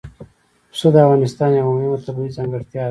پسه د افغانستان یوه مهمه طبیعي ځانګړتیا ده.